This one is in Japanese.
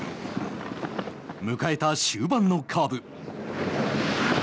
迎えた終盤のカーブ。